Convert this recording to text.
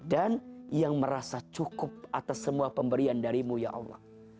dan yang merasa cukup atas semua pemberian darimu ya allah